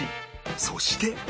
そして